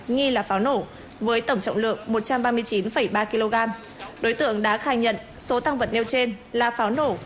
nghi là pháo nổ với tổng trọng lượng một trăm ba mươi chín ba kg đối tượng đã khai nhận số tăng vật nêu trên là pháo nổ